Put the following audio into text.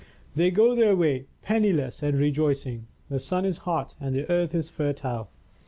They go their way, penni r^^^^HIl ^^^^^^ rejoicing. The sun is hot and the earth is fertile.